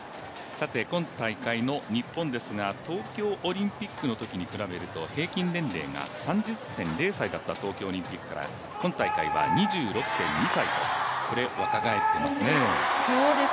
今大会の日本ですが東京オリンピックのときに比べると平均年齢が３０．０歳だった東京オリンピックから今大会は、２６．２歳と若返っていますね。